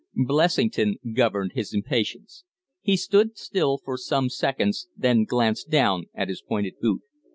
Blessington governed his impatience. He stood still for some seconds, then glanced down at his pointed boot.